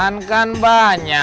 kontrakan di deket kelurahan ya